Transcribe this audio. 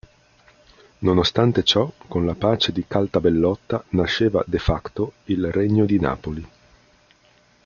Nonostante ciò, con la pace di Caltabellotta nasceva "de facto" il Regno di Napoli.